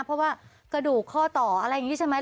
เพราะว่ากระดูกข้อต่ออะไรอย่างนี้ใช่ไหม